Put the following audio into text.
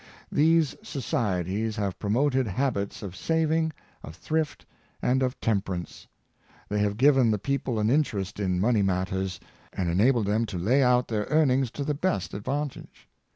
These societies have promoted habits of saving, of thrilt, and of temperance. They have given Darwen Co operatives, 431 the people an interest in money matters and enabled them to lay out their earnings to the best advantage.